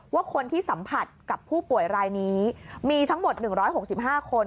ว่าคนที่สัมผัสกับผู้ป่วยรายนี้มีทั้งหมด๑๖๕คน